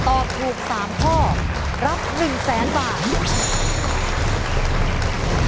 ตอบถูก๓ข้อรับ๑๐๐๐๐๐บาท